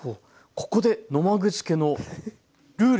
ここで野間口家のルール！